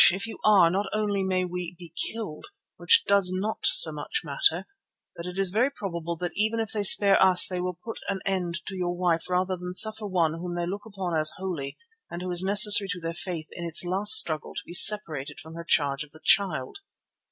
If you are, not only may we be killed, which does not so much matter, but it is very probable that even if they spare us they will put an end to your wife rather than suffer one whom they look upon as holy and who is necessary to their faith in its last struggle to be separated from her charge of the Child."